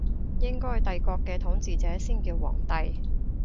應該帝國嘅統治者先叫皇帝